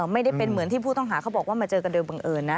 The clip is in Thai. ไม่ได้เป็นเหมือนที่ผู้ต้องหาเขาบอกว่ามาเจอกันโดยบังเอิญนะ